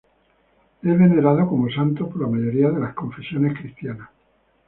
Es venerado como santo por la mayoría de confesiones cristianas.